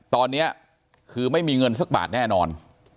ตอนนี้คือไม่มีเงินสักบาทแน่นอน